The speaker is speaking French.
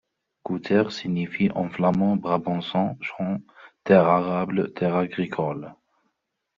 Kouter signifie en flamand brabançon champ, terre arable, terre agricole.